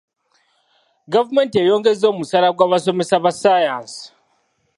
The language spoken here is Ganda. Gavumenti eyongezza omusaala gw'abasomesa ba saayansi.